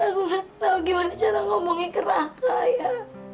aku nggak tahu gimana cara ngomongin ke raka ya